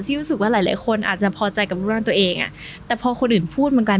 รู้สึกว่าหลายหลายคนอาจจะพอใจกับรูปร่างตัวเองอ่ะแต่พอคนอื่นพูดเหมือนกัน